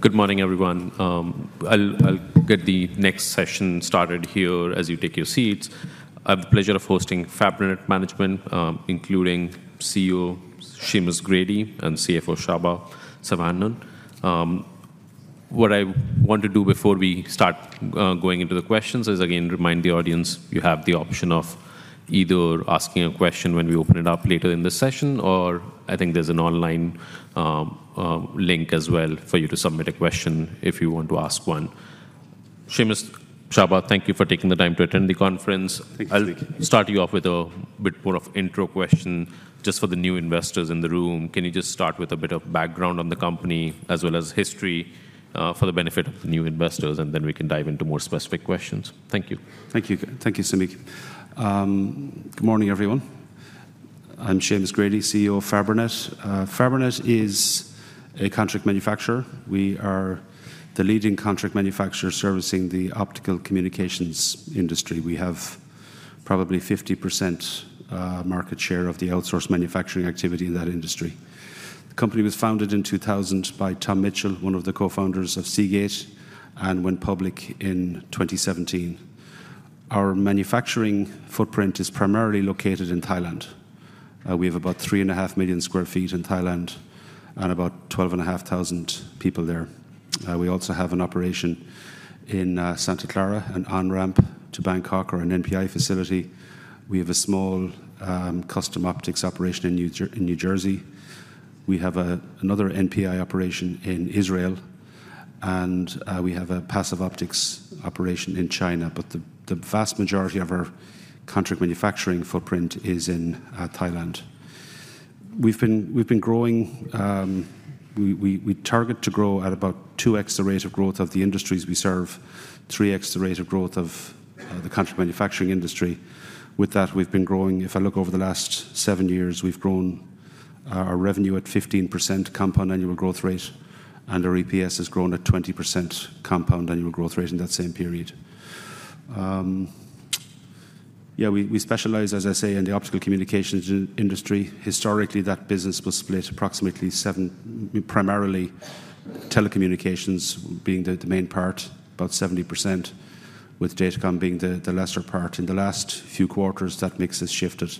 Good morning, everyone. I'll get the next session started here as you take your seats. I have the pleasure of hosting Fabrinet management, including CEO Seamus Grady and CFO Csaba Sverha. What I want to do before we start going into the questions is, again, remind the audience you have the option of either asking a question when we open it up later in the session, or I think there's an online link as well for you to submit a question if you want to ask one. Seamus, Csaba, thank you for taking the time to attend the conference. Thank you. Thank you. I'll start you off with a bit more of intro question just for the new investors in the room. Can you just start with a bit of background on the company as well as history, for the benefit of the new investors, and then we can dive into more specific questions? Thank you. Thank you. Thank you, Sameek. Good morning, everyone. I'm Seamus Grady, CEO of Fabrinet. Fabrinet is a contract manufacturer. We are the leading contract manufacturer servicing the optical communications industry. We have probably 50% market share of the outsourced manufacturing activity in that industry. The company was founded in 2000 by Tom Mitchell, one of the co-founders of Seagate, and went public in 2017. Our manufacturing footprint is primarily located in Thailand. We have about 3.5 million sq ft in Thailand and about 12,500 people there. We also have an operation in Santa Clara, an on-ramp to Bangkok or an NPI facility. We have a small custom optics operation in New Jersey. We have another NPI operation in Israel, and we have a passive optics operation in China. But the vast majority of our contract manufacturing footprint is in Thailand. We've been growing. We target to grow at about 2x the rate of growth of the industries we serve, 3x the rate of growth of the contract manufacturing industry. With that, we've been growing. If I look over the last 7 years, we've grown our revenue at 15% compound annual growth rate, and our EPS has grown at 20% compound annual growth rate in that same period. We specialize, as I say, in the optical communications industry. Historically, that business was split primarily telecommunications being the main part, about 70%, with datacom being the lesser part. In the last few quarters, that mix has shifted.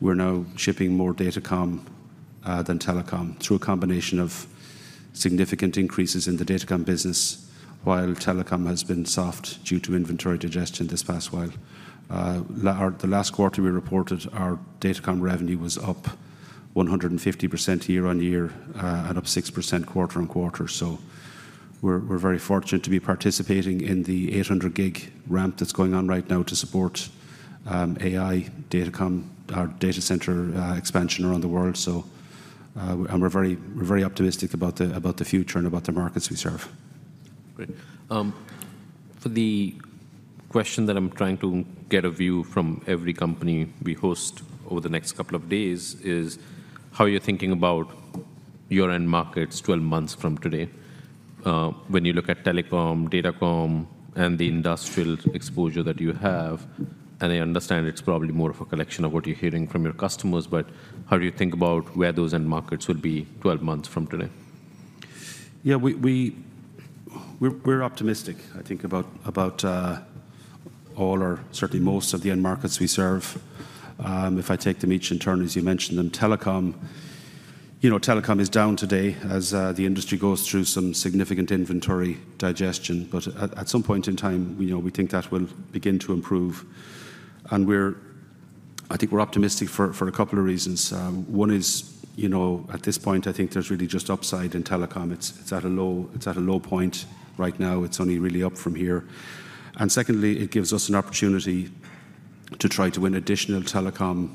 We're now shipping more datacom than telecom through a combination of significant increases in the datacom business, while telecom has been soft due to inventory digestion this past while. Or the last quarter we reported, our datacom revenue was up 150% year-on-year and up 6% quarter-on-quarter. So we're very fortunate to be participating in the 800 gig ramp that's going on right now to support AI datacom, our data center expansion around the world. So and we're very optimistic about the future and about the markets we serve. Great. For the question that I'm trying to get a view from every company we host over the next couple of days is: how are you thinking about your end markets 12 months from today, when you look at Telecom, Datacom, and the industrial exposure that you have? And I understand it's probably more of a collection of what you're hearing from your customers, but how do you think about where those end markets will be 12 months from today? Yeah, we're optimistic, I think, about all or certainly most of the end markets we serve. If I take them each in turn, as you mentioned them, telecom. You know, telecom is down today as the industry goes through some significant inventory digestion. But at some point in time, you know, we think that will begin to improve. And I think we're optimistic for a couple of reasons. One is, you know, at this point, I think there's really just upside in telecom. It's at a low point right now. It's only really up from here. And secondly, it gives us an opportunity to try to win additional Telecom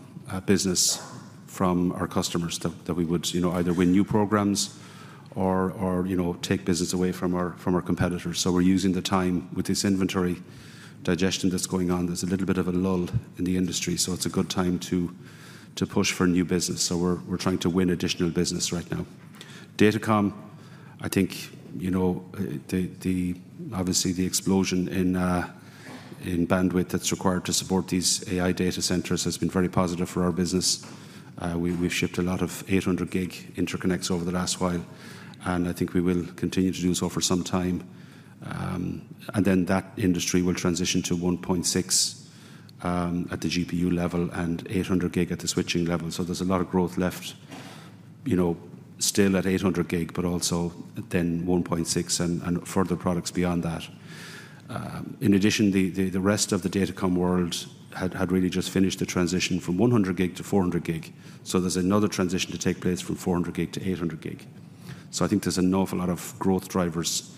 business from our customers that we would, you know, either win new programs or, you know, take business away from our competitors. So we're using the time with this inventory digestion that's going on. There's a little bit of a lull in the industry, so it's a good time to push for new business. So we're trying to win additional business right now. Datacom, I think, you know, obviously, the explosion in bandwidth that's required to support these AI data centers has been very positive for our business. We've shipped a lot of 800 gig interconnects over the last while, and I think we will continue to do so for some time. And then that industry will transition to 1.6 at the GPU level and 800 gig at the switching level. So there's a lot of growth left, you know, still at 800 gig, but also then 1.6 and further products beyond that. In addition, the rest of the datacom world had really just finished the transition from 100 gig to 400 gig. So there's another transition to take place from 400 gig to 800 gig. So I think there's an awful lot of growth drivers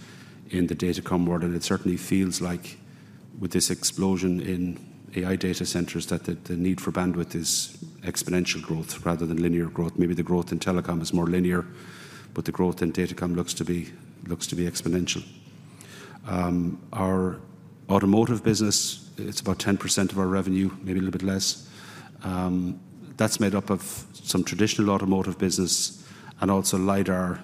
in the datacom world, and it certainly feels like with this explosion in AI data centers, that the need for bandwidth is exponential growth rather than linear growth. Maybe the growth in telecom is more linear, but the growth in datacom looks to be exponential. Our automotive business, it's about 10% of our revenue, maybe a little bit less. That's made up of some traditional automotive business and also LiDAR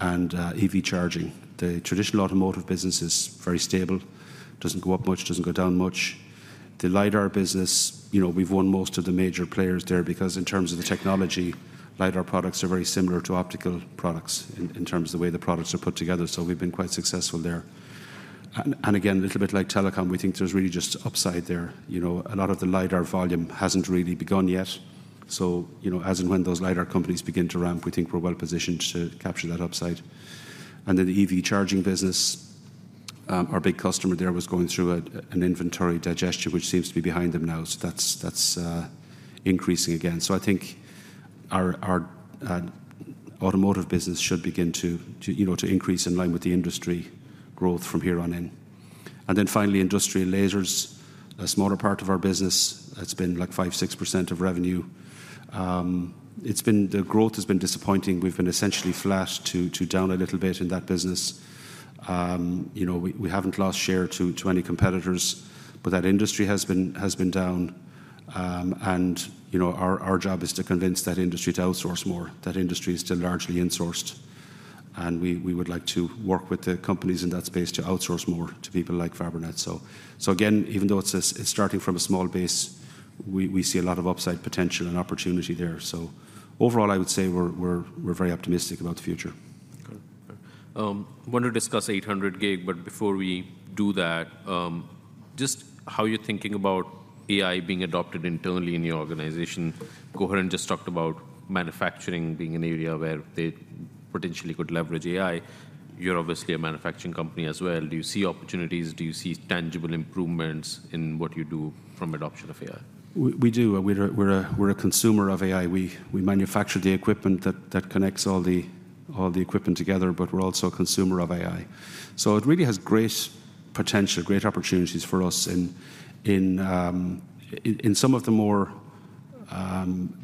and EV charging. The traditional automotive business is very stable, doesn't go up much, doesn't go down much. The LiDAR business, you know, we've won most of the major players there because in terms of the technology, LiDAR products are very similar to optical products in terms of the way the products are put together. So we've been quite successful there. And again, a little bit like telecom, we think there's really just upside there. You know, a lot of the LiDAR volume hasn't really begun yet, so, you know, as and when those LiDAR companies begin to ramp, we think we're well positioned to capture that upside. And then the EV charging business, our big customer there was going through an inventory digestion, which seems to be behind them now. So that's increasing again. So I think our automotive business should begin to you know to increase in line with the industry growth from here on in. And then finally, industrial lasers, a smaller part of our business. It's been like 5%-6% of revenue. The growth has been disappointing. We've been essentially flat to down a little bit in that business. You know, we haven't lost share to any competitors, but that industry has been down. And you know, our job is to convince that industry to outsource more. That industry is still largely insourced, and we would like to work with the companies in that space to outsource more to people like Fabrinet. So again, even though it's starting from a small base, we see a lot of upside potential and opportunity there. So overall, I would say we're very optimistic about the future. Okay. I want to discuss 800 gig, but before we do that, just how you're thinking about AI being adopted internally in your organization? Coherent just talked about manufacturing being an area where they potentially could leverage AI. You're obviously a manufacturing company as well. Do you see opportunities? Do you see tangible improvements in what you do from adoption of AI? We do, and we're a consumer of AI. We manufacture the equipment that connects all the equipment together, but we're also a consumer of AI. So it really has great potential, great opportunities for us in some of the more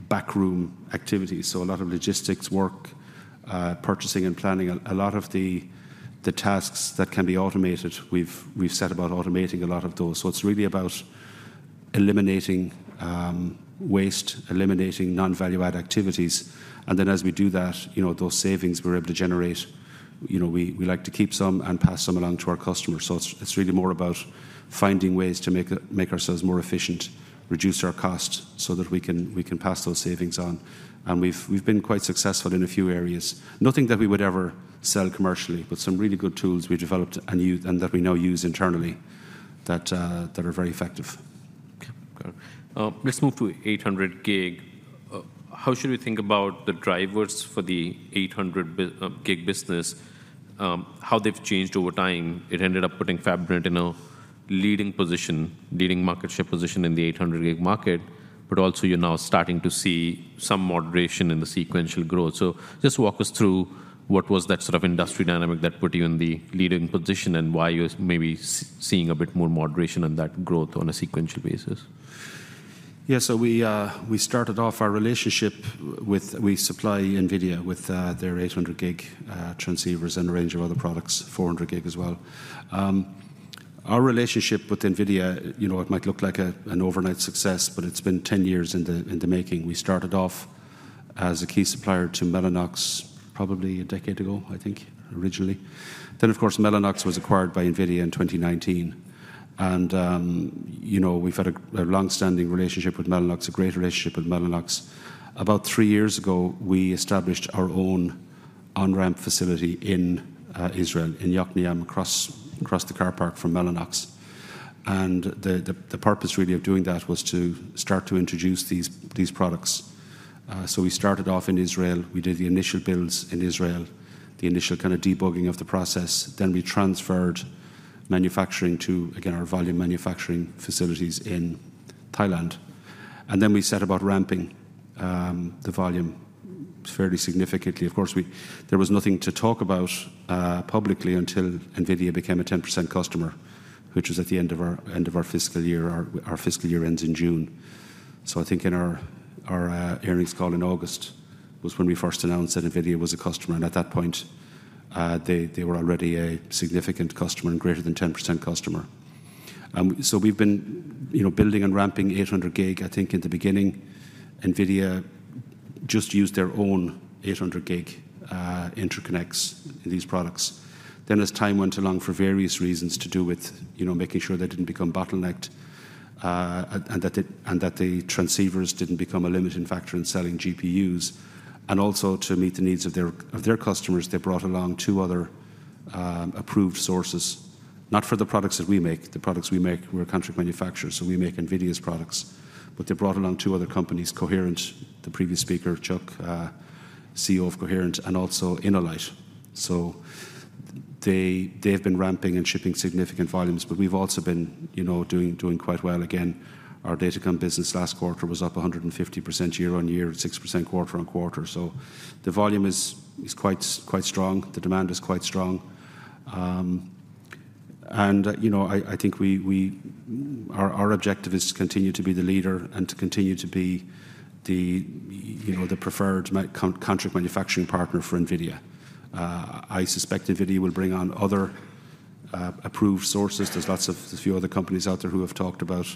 back room activities. So a lot of logistics work, purchasing and planning. A lot of the tasks that can be automated, we've set about automating a lot of those. So it's really about eliminating waste, eliminating non-value-add activities, and then as we do that, you know, those savings we're able to generate, you know, we like to keep some and pass some along to our customers. So it's really more about finding ways to make ourselves more efficient, reduce our costs so that we can pass those savings on, and we've been quite successful in a few areas. Nothing that we would ever sell commercially, but some really good tools we developed and use and that we now use internally that are very effective. Okay, got it. Let's move to 800 gig. How should we think about the drivers for the 800 gig business, how they've changed over time? It ended up putting Fabrinet in a leading position, leading market share position in the 800 gig market, but also you're now starting to see some moderation in the sequential growth. So just walk us through what was that sort of industry dynamic that put you in the leading position, and why you're maybe seeing a bit more moderation on that growth on a sequential basis. Yeah, so we, we started off our relationship with... We supply NVIDIA with their 800 gig transceivers and a range of other products, 400 gig as well. Our relationship with NVIDIA, you know, it might look like a, an overnight success, but it's been 10 years in the, in the making. We started off as a key supplier to Mellanox probably a decade ago, I think, originally. Then, of course, Mellanox was acquired by NVIDIA in 2019, and, you know, we've had a, a long-standing relationship with Mellanox, a great relationship with Mellanox. About 3 years ago, we established our own on-ramp facility in, Israel, in Yokneam, across, across the car park from Mellanox, and the, the, the purpose really of doing that was to start to introduce these, these products. So we started off in Israel. We did the initial builds in Israel, the initial kind of debugging of the process, then we transferred manufacturing to, again, our volume manufacturing facilities in Thailand, and then we set about ramping the volume fairly significantly. Of course, there was nothing to talk about publicly until NVIDIA became a 10% customer, which was at the end of our fiscal year. Our fiscal year ends in June. So I think in our earnings call in August was when we first announced that NVIDIA was a customer, and at that point, they were already a significant customer and greater than 10% customer. So we've been, you know, building and ramping 800 gig. I think in the beginning, NVIDIA just used their own 800 gig interconnects in these products. Then, as time went along, for various reasons to do with, you know, making sure they didn't become bottlenecked, and that the transceivers didn't become a limiting factor in selling GPUs, and also to meet the needs of their, of their customers, they brought along two other approved sources. Not for the products that we make, the products we make, we're a contract manufacturer, so we make NVIDIA's products. But they brought along two other companies: Coherent, the previous speaker, Chuck, CEO of Coherent, and also InnoLight. So they, they've been ramping and shipping significant volumes, but we've also been, you know, doing, doing quite well. Again, our Datacom business last quarter was up 150% year-on-year and 6% quarter-on-quarter. So the volume is, is quite, quite strong. The demand is quite strong. You know, I think we... Our objective is to continue to be the leader and to continue to be the, you know, the preferred contract manufacturing partner for NVIDIA. I suspect NVIDIA will bring on other approved sources. There's a few other companies out there who have talked about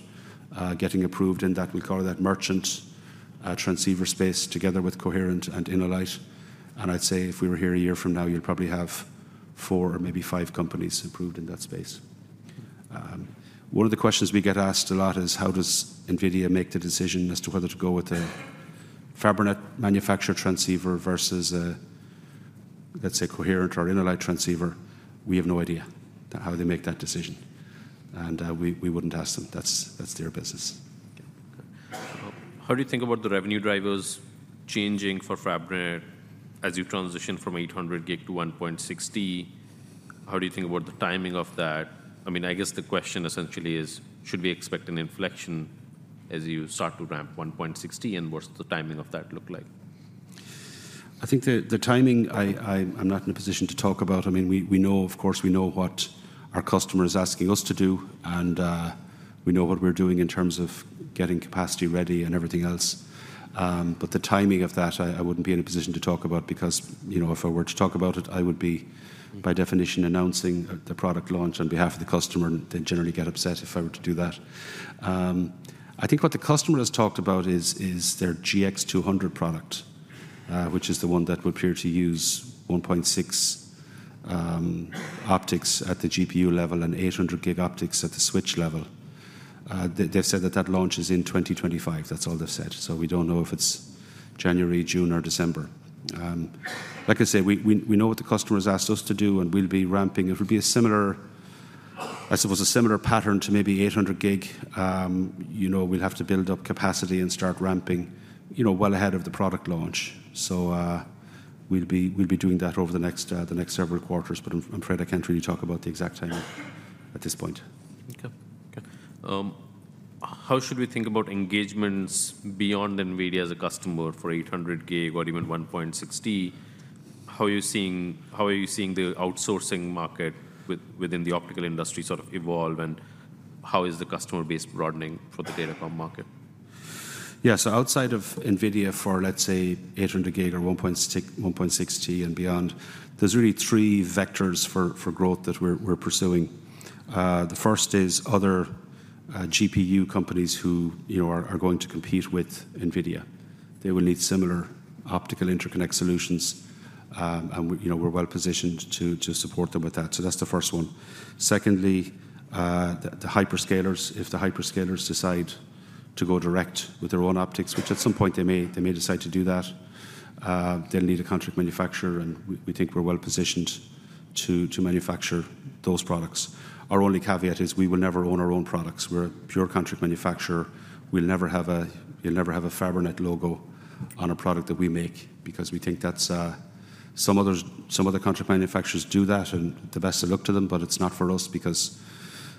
getting approved in that. We call that merchant transceiver space, together with Coherent and InnoLight, and I'd say if we were here a year from now, you'd probably have four or maybe five companies approved in that space. One of the questions we get asked a lot is: How does NVIDIA make the decision as to whether to go with a Fabrinet manufactured transceiver versus a, let's say, Coherent or InnoLight transceiver? We have no idea how they make that decision, and we wouldn't ask them. That's their business. Okay. How do you think about the revenue drivers changing for Fabrinet as you transition from 800 gig to 1.6? How do you think about the timing of that? I mean, I guess the question essentially is: Should we expect an inflection as you start to ramp 1.6, and what's the timing of that look like? I think the timing, I'm not in a position to talk about. I mean, we know, of course, we know what our customer is asking us to do, and we know what we're doing in terms of getting capacity ready and everything else. But the timing of that, I wouldn't be in a position to talk about because, you know, if I were to talk about it, I would be, by definition, announcing the product launch on behalf of the customer, and they'd generally get upset if I were to do that. I think what the customer has talked about is their GB200 product, which is the one that would appear to use 1.6 optics at the GPU level and 800 gig optics at the switch level. They've said that that launch is in 2025. That's all they've said, so we don't know if it's January, June, or December. Like I say, we know what the customer has asked us to do, and we'll be ramping. It will be a similar, I suppose, a similar pattern to maybe 800 gig. You know, we'll have to build up capacity and start ramping, you know, well ahead of the product launch. So, we'll be doing that over the next several quarters, but I'm afraid I can't really talk about the exact timing at this point. Okay. Okay. How should we think about engagements beyond NVIDIA as a customer for 800 gig or even 1.6? How are you seeing the outsourcing market within the optical industry sort of evolve, and how is the customer base broadening for the datacom market? Yeah. So outside of NVIDIA, for, let's say, 800 gig or 1.6-1.60 and beyond, there's really 3 vectors for growth that we're pursuing. The first is other GPU companies who, you know, are going to compete with NVIDIA. They will need similar optical interconnect solutions, and we, you know, we're well positioned to support them with that. So that's the first one. Secondly, the hyperscalers. If the hyperscalers decide to go direct with their own optics, which at some point they may, they may decide to do that, they'll need a contract manufacturer, and we think we're well positioned to manufacture those products. Our only caveat is we will never own our own products. We're a pure contract manufacturer. We'll never have a... You'll never have a Fabrinet logo on a product that we make because we think that's... Some others, some other contract manufacturers do that, and the best of luck to them, but it's not for us because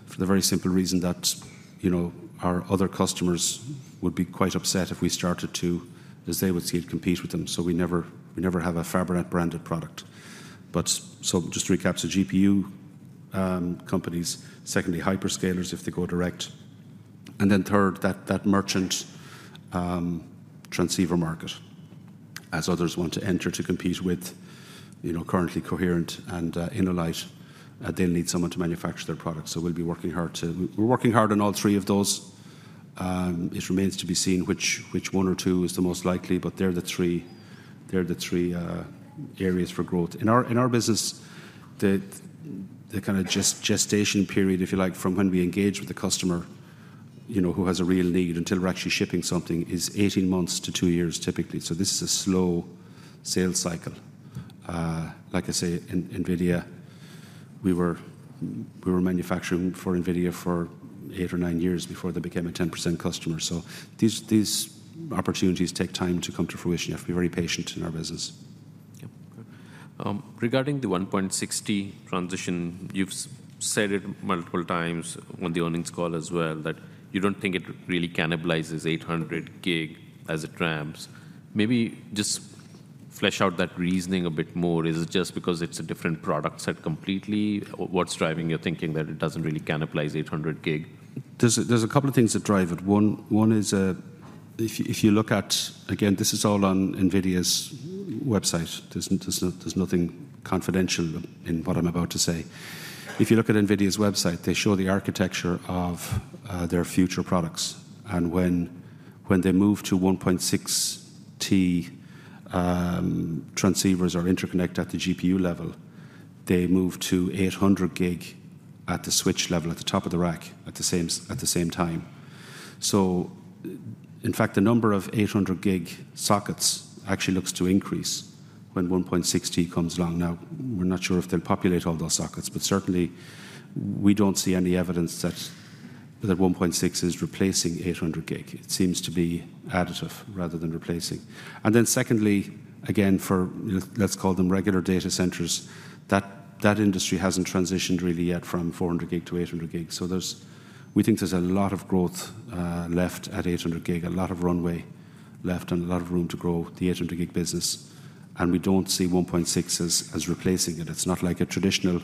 for the very simple reason that, you know, our other customers would be quite upset if we started to, as they would see it, compete with them. So we never, we never have a Fabrinet-branded product. But so just to recap, so GPU companies, secondly, hyperscalers, if they go direct, and then third, that merchant transceiver market, as others want to enter to compete with, you know, currently Coherent and InnoLight, they'll need someone to manufacture their products. So we'll be working hard to. We're working hard on all three of those. It remains to be seen which one or two is the most likely, but they're the three areas for growth. In our business, the kind of gestation period, if you like, from when we engage with the customer, you know, who has a real need, until we're actually shipping something, is 18 months to 2 years, typically. So this is a slow sales cycle. Like I say, in NVIDIA, we were manufacturing for NVIDIA for 8 or 9 years before they became a 10% customer. So these opportunities take time to come to fruition. You have to be very patient in our business. Yep. Good. Regarding the 1.6 transition, you've said it multiple times on the earnings call as well, that you don't think it really cannibalizes 800 gig as it ramps. Maybe just flesh out that reasoning a bit more. Is it just because it's a different product set completely? What's driving your thinking that it doesn't really cannibalize 800 gig? There's a couple of things that drive it. One is, if you look at... Again, this is all on NVIDIA's website. There's nothing confidential in what I'm about to say. If you look at NVIDIA's website, they show the architecture of their future products, and when they move to 1.6T transceivers or interconnect at the GPU level, they move to 800 gig at the switch level, at the top of the rack, at the same time. So in fact, the number of 800 gig sockets actually looks to increase when 1.6 comes along. Now, we're not sure if they'll populate all those sockets, but certainly we don't see any evidence that 1.6 is replacing 800 gig. It seems to be additive rather than replacing. And then secondly, again, for let's call them regular data centers, that industry hasn't transitioned really yet from 400 gig to 800 gig. So there's we think there's a lot of growth left at 800 gig, a lot of runway left and a lot of room to grow the 800 gig business, and we don't see 1.6 as replacing it. It's not like a traditional.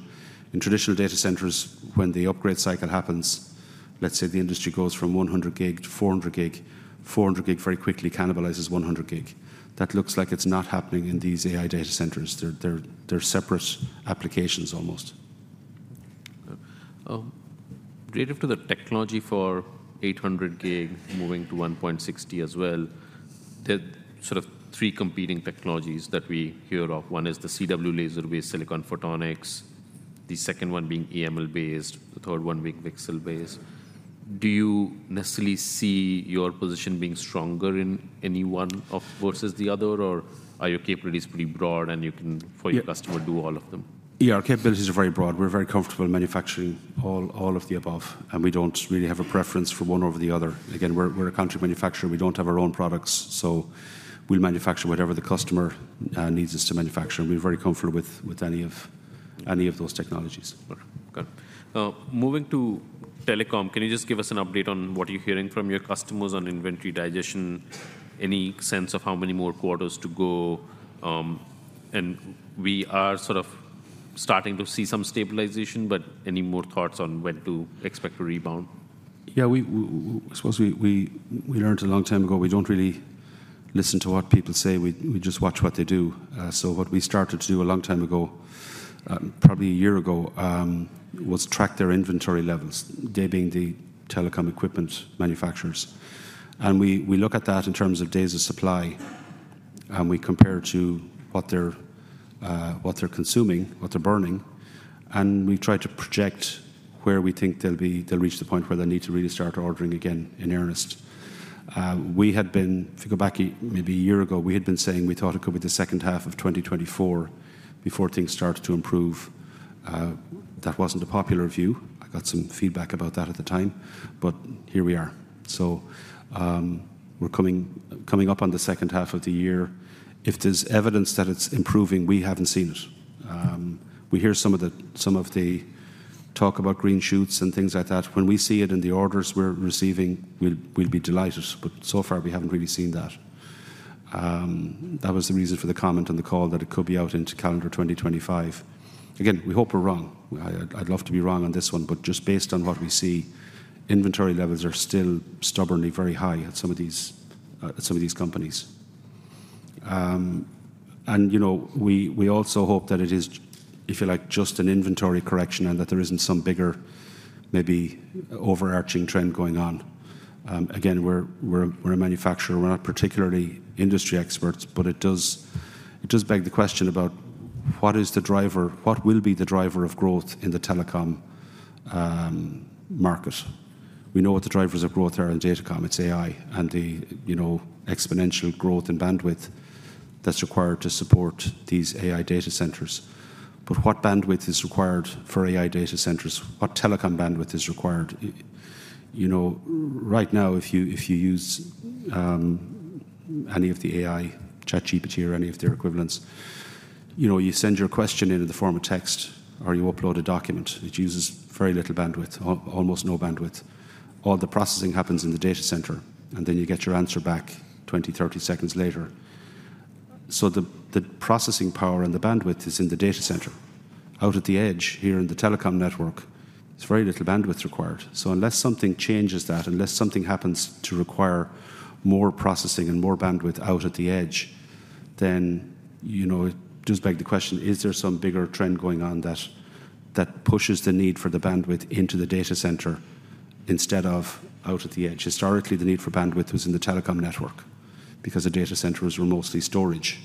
In traditional data centers, when the upgrade cycle happens, let's say the industry goes from 100 gig to 400 gig, 400 gig very quickly cannibalizes 100 gig. That looks like it's not happening in these AI data centers. They're separate applications almost. Okay. Relative to the technology for 800G moving to 1.6T as well, the sort of three competing technologies that we hear of. One is the CW laser-based silicon photonics, the second one being EML-based, the third one being VCSEL-based. Do you necessarily see your position being stronger in any one versus the other, or are your capabilities pretty broad and you can, for your customer, do all of them? Yeah, our capabilities are very broad. We're very comfortable manufacturing all of the above, and we don't really have a preference for one over the other. Again, we're a contract manufacturer. We don't have our own products, so we manufacture whatever the customer needs us to manufacture, and we're very comfortable with any of those technologies. Okay. Moving to telecom, can you just give us an update on what you're hearing from your customers on inventory digestion? Any sense of how many more quarters to go? And we are sort of starting to see some stabilization, but any more thoughts on when to expect a rebound? Yeah, we, I suppose we learned a long time ago, we don't really listen to what people say, we just watch what they do. So what we started to do a long time ago, probably a year ago, was track their inventory levels, they being the Telecom equipment manufacturers. And we look at that in terms of days of supply, and we compare to what they're consuming, what they're burning, and we try to project where we think they'll reach the point where they need to really start ordering again in earnest. We had been, if you go back maybe a year ago, we had been saying we thought it could be the second half of 2024 before things started to improve. That wasn't a popular view. I got some feedback about that at the time, but here we are. So, we're coming up on the second half of the year. If there's evidence that it's improving, we haven't seen it. We hear some of the talk about green shoots and things like that. When we see it in the orders we're receiving, we'll be delighted, but so far we haven't really seen that. That was the reason for the comment on the call, that it could be out into calendar 2025. Again, we hope we're wrong. I'd love to be wrong on this one, but just based on what we see, inventory levels are still stubbornly very high at some of these companies. And, you know, we also hope that it is, if you like, just an inventory correction and that there isn't some bigger, maybe overarching trend going on. Again, we're a manufacturer, we're not particularly industry experts, but it does beg the question about what is the driver... What will be the driver of growth in the Telecom market? We know what the drivers of growth are in Datacom. It's AI and the, you know, exponential growth in bandwidth that's required to support these AI data centers. But what bandwidth is required for AI data centers? What Telecom bandwidth is required? You know, right now, if you use any of the AI, ChatGPT or any of their equivalents, you know, you send your question in, in the form of text or you upload a document. It uses very little bandwidth, almost no bandwidth. All the processing happens in the data center, and then you get your answer back 20, 30 seconds later. So the processing power and the bandwidth is in the data center. Out at the edge, here in the telecom network, there's very little bandwidth required. So unless something changes that, unless something happens to require more processing and more bandwidth out at the edge, then, you know, it does beg the question: Is there some bigger trend going on that pushes the need for the bandwidth into the data center instead of out at the edge? Historically, the need for bandwidth was in the telecom network because the data centers were mostly storage.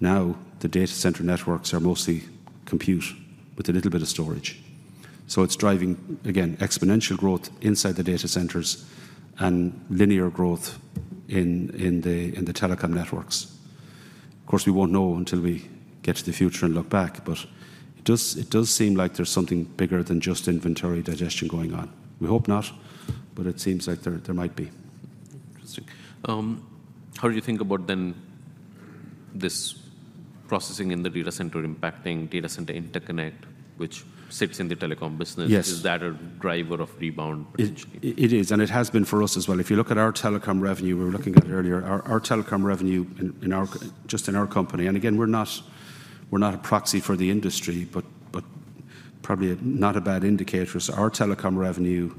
Now, the data center networks are mostly compute with a little bit of storage. So it's driving, again, exponential growth inside the data centers and linear growth in the telecom networks. Of course, we won't know until we get to the future and look back, but it does seem like there's something bigger than just inventory digestion going on. We hope not, but it seems like there might be. Interesting. How do you think about, then, this processing in the data center impacting data center interconnect, which sits in the telecom business? Yes. Is that a driver of rebound, potentially? It is, and it has been for us as well. If you look at our Telecom revenue, we were looking at it earlier, our telecom revenue in our just in our company. And again, we're not a proxy for the industry, but probably not a bad indicator. So our Telecom revenue,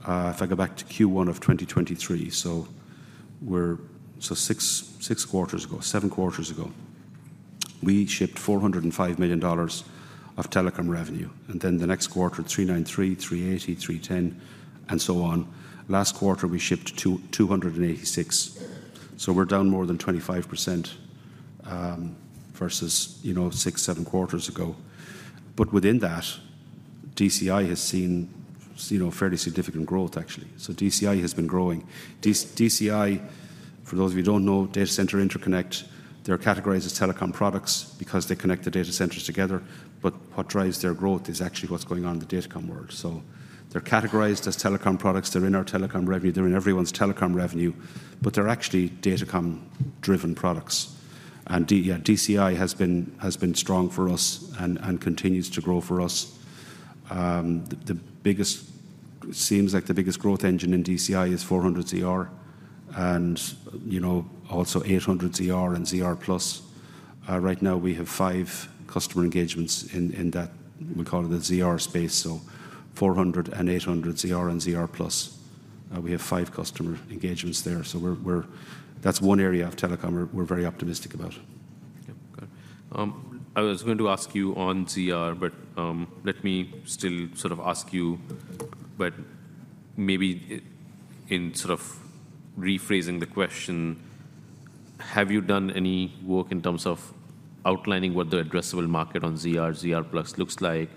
if I go back to Q1 of 2023, so six quarters ago, seven quarters ago, we shipped $405 million of Telecom revenue, and then the next quarter, $393 million, $380 million, $310 million, and so on. Last quarter, we shipped $286 million, so we're down more than 25% versus, you know, six, seven quarters ago. But within that, DCI has seen, you know, fairly significant growth, actually. So DCI has been growing. DCI, for those of you who don't know, data center interconnect, they're categorized as telecom products because they connect the data centers together, but what drives their growth is actually what's going on in the Datacom world. So they're categorized as telecom products. They're in our telecom revenue. They're in everyone's telecom revenue. But they're actually Datacom-driven products. And yeah, DCI has been strong for us and continues to grow for us. The biggest, seems like the biggest growth engine in DCI is 400ZR and, you know, also 800ZR and ZR Plus. Right now we have 5 customer engagements in that, we call it the ZR space, so 400- and 800ZR and ZR Plus. We have five customer engagements there, so we're... That's one area of telecom we're very optimistic about. I was going to ask you on ZR, but, let me still sort of ask you, but maybe in sort of rephrasing the question: Have you done any work in terms of outlining what the addressable market on ZR, ZR Plus looks like?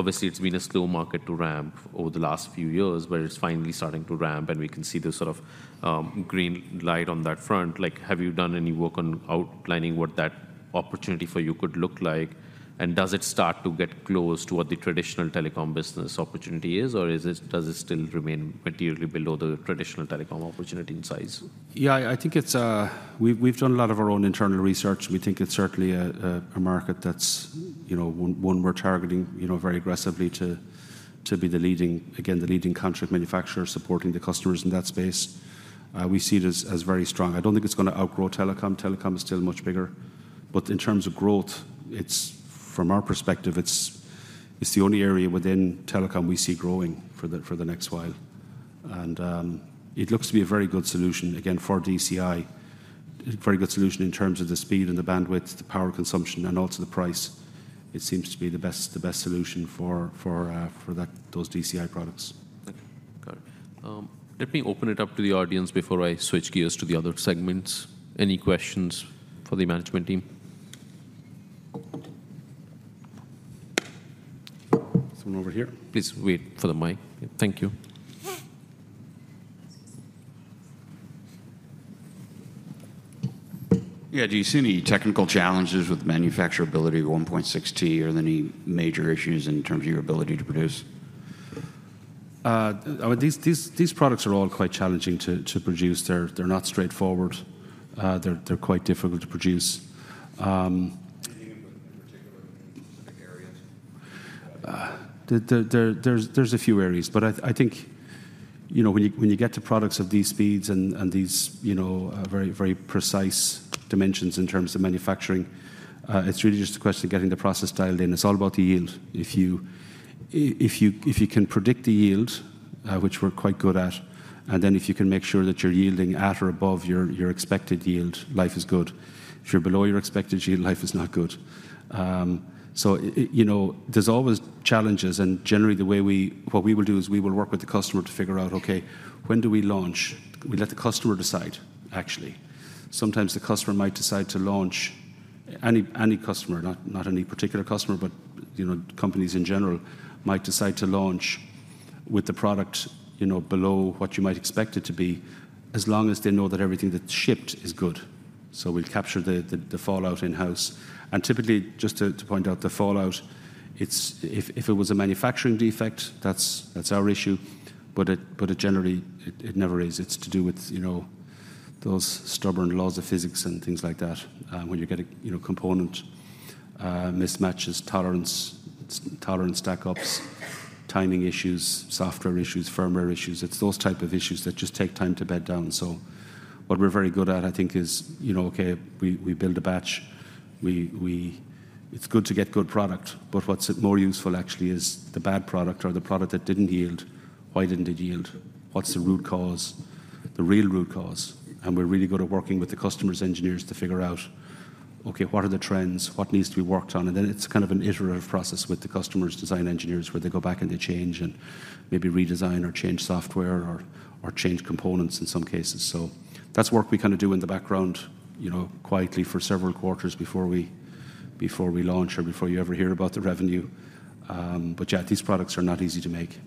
Obviously, it's been a slow market to ramp over the last few years, but it's finally starting to ramp, and we can see the sort of green light on that front. Like, have you done any work on outlining what that opportunity for you could look like? And does it start to get close to what the traditional telecom business opportunity is, or does it still remain materially below the traditional telecom opportunity in size? Yeah, I think it's... We've done a lot of our own internal research. We think it's certainly a market that's, you know, one we're targeting, you know, very aggressively to be the leading, again, the leading contract manufacturer supporting the customers in that space. We see it as very strong. I don't think it's going to outgrow Telecom. Telecom is still much bigger. But in terms of growth, it's, from our perspective, it's the only area within Telecom we see growing for the next while. And it looks to be a very good solution, again, for DCI. A very good solution in terms of the speed and the bandwidth, the power consumption, and also the price. It seems to be the best, the best solution for those DCI products. Thank you. Got it. Let me open it up to the audience before I switch gears to the other segments. Any questions for the management team? Someone over here. Please wait for the mic. Thank you. Yeah, do you see any technical challenges with manufacturability of 1.6T, or any major issues in terms of your ability to produce? These products are all quite challenging to produce. They're quite difficult to produce. Anything in particular, in specific areas? There's a few areas, but I think, you know, when you get to products of these speeds and these, you know, very precise dimensions in terms of manufacturing, it's really just a question of getting the process dialed in. It's all about the yield. If you can predict the yield, which we're quite good at, and then if you can make sure that you're yielding at or above your expected yield, life is good. If you're below your expected yield, life is not good. So, you know, there's always challenges, and generally, what we will do is we will work with the customer to figure out, okay, when do we launch? We let the customer decide, actually. Sometimes the customer might decide to launch any customer, not any particular customer, but you know, companies in general might decide to launch with the product, you know, below what you might expect it to be, as long as they know that everything that's shipped is good. So we'll capture the fallout in-house. And typically, just to point out, the fallout, it's. If it was a manufacturing defect, that's our issue, but it generally, it never is. It's to do with, you know, those stubborn laws of physics and things like that, when you get a, you know, component mismatches, tolerance stack-ups, timing issues, software issues, firmware issues. It's those type of issues that just take time to bed down. So what we're very good at, I think, is, you know, okay, we build a batch. It's good to get good product, but what's more useful actually is the bad product or the product that didn't yield. Why didn't it yield? What's the root cause, the real root cause? And we're really good at working with the customer's engineers to figure out, okay, what are the trends? What needs to be worked on? And then it's kind of an iterative process with the customer's design engineers, where they go back and they change and maybe redesign or change software or, or change components in some cases. So that's work we kind of do in the background, you know, quietly for several quarters before we, before we launch or before you ever hear about the revenue. But yeah, these products are not easy to make.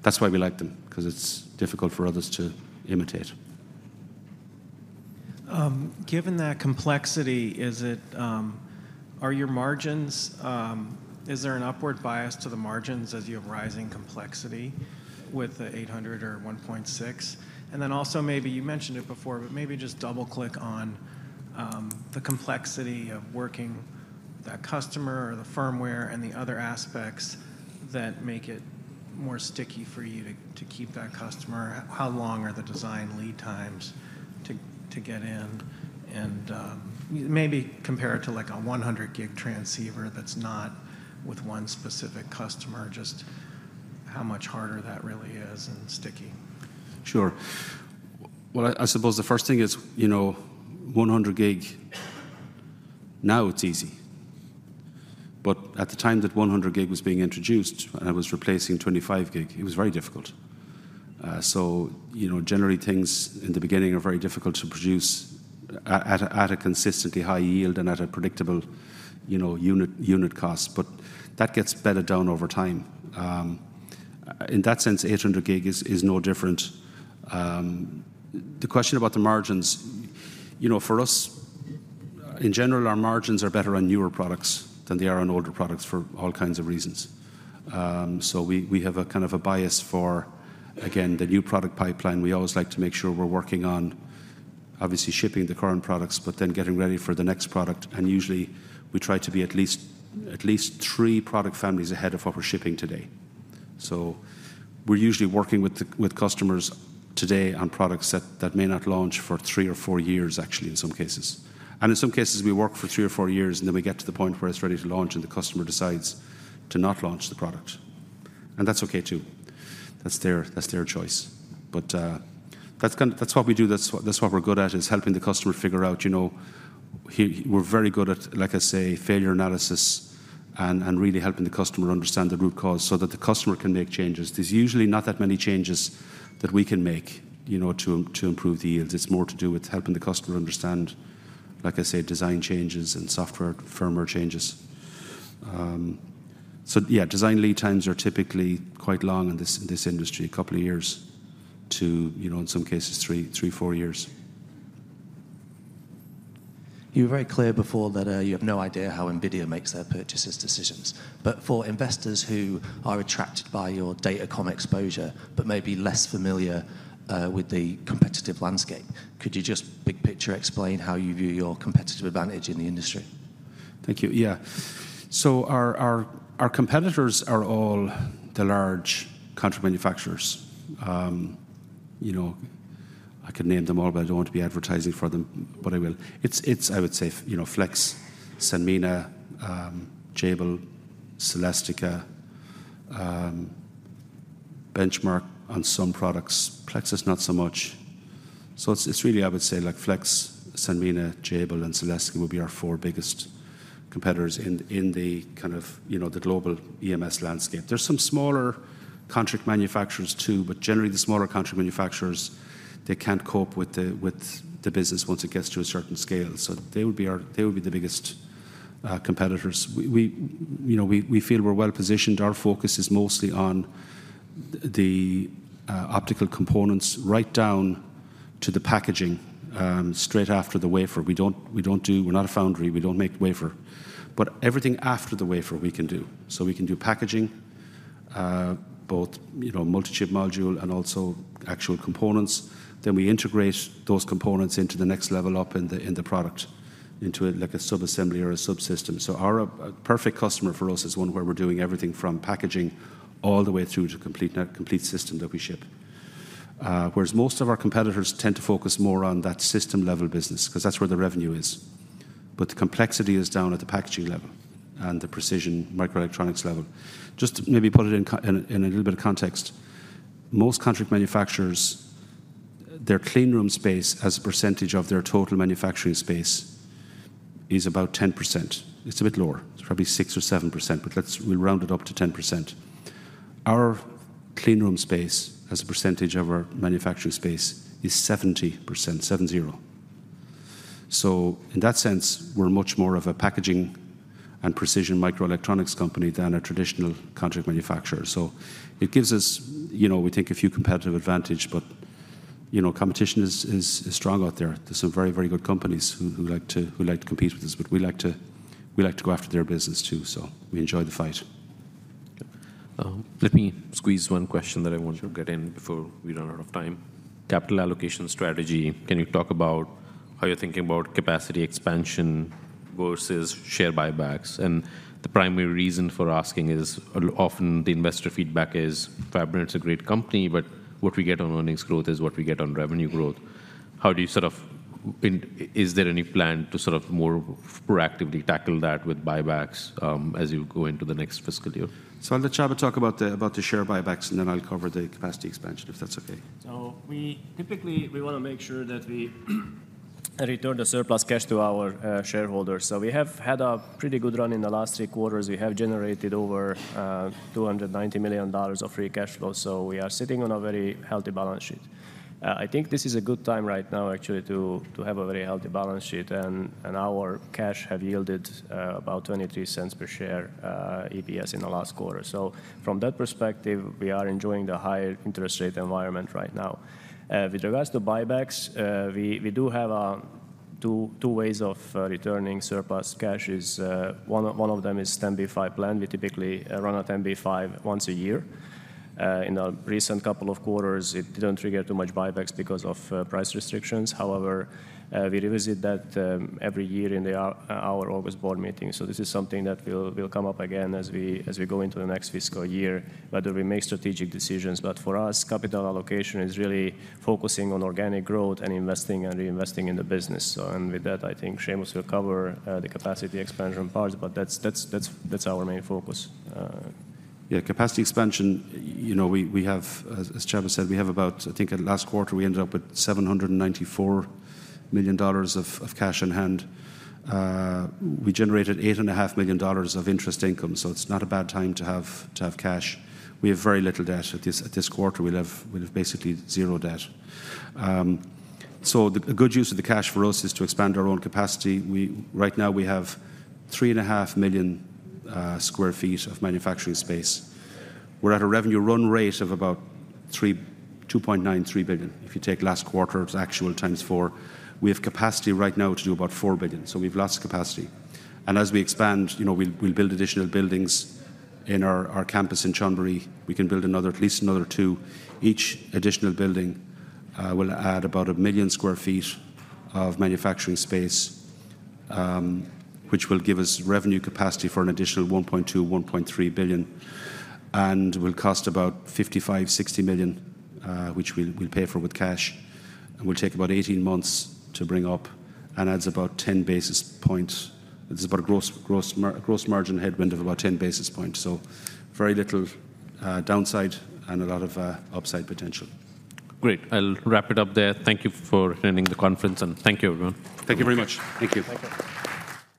That's why we like them, because it's difficult for others to imitate. Given that complexity, is there an upward bias to the margins as you have rising complexity with the 800 or 1.6? And then also, maybe you mentioned it before, but maybe just double-click on the complexity of working with that customer or the firmware and the other aspects that make it more sticky for you to keep that customer. How long are the design lead times to get in? And, maybe compare it to, like, a 100 gig transceiver that's not with one specific customer, just how much harder that really is in sticking. Sure. Well, I suppose the first thing is, you know, 100 gig, now it's easy. But at the time that 100 gig was being introduced, and it was replacing 25 gig, it was very difficult. So you know, generally, things in the beginning are very difficult to produce at a consistently high yield and at a predictable, you know, unit cost, but that gets bedded down over time. In that sense, 800 gig is no different. The question about the margins, you know, for us, in general, our margins are better on newer products than they are on older products for all kinds of reasons. So we have a kind of a bias for, again, the new product pipeline. We always like to make sure we're working on obviously shipping the current products, but then getting ready for the next product, and usually, we try to be at least, at least three product families ahead of what we're shipping today. So we're usually working with customers today on products that may not launch for three or four years, actually, in some cases. And in some cases, we work for three or four years, and then we get to the point where it's ready to launch, and the customer decides to not launch the product... and that's okay, too. That's their choice. But that's what we do, that's what we're good at, is helping the customer figure out, you know, we're very good at, like I say, failure analysis and really helping the customer understand the root cause so that the customer can make changes. There's usually not that many changes that we can make, you know, to improve the yields. It's more to do with helping the customer understand, like I said, design changes and software, firmware changes. So yeah, design lead times are typically quite long in this industry, a couple of years to, you know, in some cases, three, four years. You were very clear before that, you have no idea how NVIDIA makes their purchases decisions. But for investors who are attracted by your data comm exposure, but may be less familiar with the competitive landscape, could you just big picture explain how you view your competitive advantage in the industry? Thank you. Yeah. So our competitors are all the large contract manufacturers. You know, I could name them all, but I don't want to be advertising for them, but I will. It's, I would say, you know, Flex, Sanmina, Jabil, Celestica, Benchmark on some products, Plexus not so much. So it's really, I would say, like Flex, Sanmina, Jabil, and Celestica would be our four biggest competitors in the kind of, you know, the global EMS landscape. There's some smaller contract manufacturers, too, but generally the smaller contract manufacturers, they can't cope with the business once it gets to a certain scale. So they would be the biggest competitors. We, you know, we feel we're well positioned. Our focus is mostly on the optical components, right down to the packaging, straight after the wafer. We don't, we don't do... We're not a foundry, we don't make wafer. But everything after the wafer we can do. So we can do packaging, both, you know, multi-chip module and also actual components. Then we integrate those components into the next level up in the product, into a like a sub-assembly or a subsystem. So our, a perfect customer for us is one where we're doing everything from packaging all the way through to complete that complete system that we ship. Whereas most of our competitors tend to focus more on that system-level business, 'cause that's where the revenue is. But the complexity is down at the packaging level and the precision microelectronics level. Just to maybe put it in a little bit of context, most contract manufacturers, their clean room space as a percentage of their total manufacturing space is about 10%. It's a bit lower. It's probably 6% or 7%, but let's round it up to 10%. Our clean room space as a percentage of our manufacturing space is 70%, 70. So in that sense, we're much more of a packaging and precision microelectronics company than a traditional contract manufacturer. So it gives us, you know, we think, a few competitive advantage, but, you know, competition is, is, is strong out there. There are some very, very good companies who, who like to, who like to compete with us, but we like to, we like to go after their business, too, so we enjoy the fight. Let me squeeze one question that I want to get in before we run out of time. Capital allocation strategy, can you talk about how you're thinking about capacity expansion versus share buybacks? And the primary reason for asking is, often the investor feedback is, "Fabrinet is a great company, but what we get on earnings growth is what we get on revenue growth." How do you sort of... And is there any plan to sort of more proactively tackle that with buybacks, as you go into the next fiscal year? So I'll let Csaba talk about the share buybacks, and then I'll cover the capacity expansion, if that's okay. So we typically want to make sure that we return the surplus cash to our shareholders. We have had a pretty good run in the last three quarters. We have generated over $290 million of free cash flow, so we are sitting on a very healthy balance sheet. I think this is a good time right now, actually, to have a very healthy balance sheet, and our cash have yielded about 23 cents per share EPS in the last quarter. So from that perspective, we are enjoying the higher interest rate environment right now. With regards to buybacks, we do have two ways of returning surplus cash, one of them is 10b5 plan. We typically run a 10b5 once a year. In the recent couple of quarters, it didn't trigger too much buybacks because of price restrictions. However, we revisit that every year in our August board meeting. So this is something that will come up again as we go into the next fiscal year, whether we make strategic decisions. But for us, capital allocation is really focusing on organic growth and investing and reinvesting in the business. So and with that, I think Seamus will cover the capacity expansion part, but that's our main focus. Yeah, capacity expansion, you know, we have, as Csaba said, we have about... I think at last quarter, we ended up with $794 million of cash on hand. We generated $8.5 million of interest income, so it's not a bad time to have cash. We have very little debt at this quarter. We'll have basically zero debt. So a good use of the cash for us is to expand our own capacity. Right now, we have 3.5 million sq ft of manufacturing space. We're at a revenue run rate of about $2.93 billion. If you take last quarter's actual times four, we have capacity right now to do about $4 billion, so we've lots of capacity. As we expand, you know, we'll build additional buildings in our campus in Chonburi. We can build another, at least another 2. Each additional building will add about 1 million sq ft of manufacturing space, which will give us revenue capacity for an additional $1.2 billion-$1.3 billion, and will cost about $55-$60 million, which we'll pay for with cash. Will take about 18 months to bring up and adds about 10 basis points. This is about a gross margin headwind of about 10 basis points. So very little downside and a lot of upside potential. Great. I'll wrap it up there. Thank you for attending the conference, and thank you, everyone. Thank you very much. Thank you. Thank you.